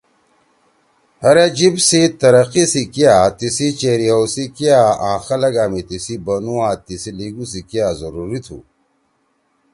ہر اے جیِب سی ترقی سی کیا، تیسی چیری ہؤ سی کیا آں خلگا می تیِسی بنُو آں تیِسی لیِگُو سی کیا ضروری تُھو۔